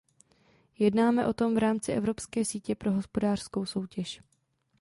Jednáme o tom v rámci Evropské sítě pro hospodářskou soutěž.